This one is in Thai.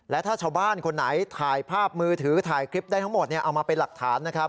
และถ้าชาวบ้านคนไหนถ่ายภาพมือถือถ่ายคลิปได้ทั้งหมดเนี่ย